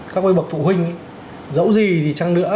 các bậc phụ huynh dẫu gì thì chăng nữa